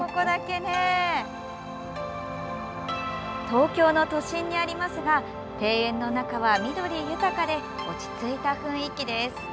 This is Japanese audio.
東京の都心にありますが庭園の中は緑豊かで落ち着いた雰囲気です。